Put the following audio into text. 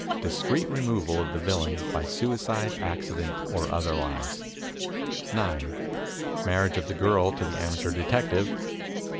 Discreet removal of the villain by suicide, accident or otherwise. 9. Marriage of the girl to the amateur detective.